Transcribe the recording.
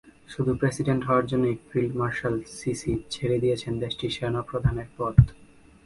শুধু প্রেসিডেন্ট হওয়ার জন্যই ফিল্ড মার্শাল সিসি ছেড়ে দিয়েছেন দেশটির সেনাপ্রধানের পদ।